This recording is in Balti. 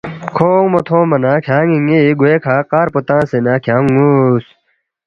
کھو اونگمو تھونگما نہ کھیان٘ی ن٘ی گوے کھہ قار پو تنگسےنہ کھیانگ نُ٘وس